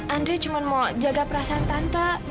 andre cuma mau jaga perasaan tante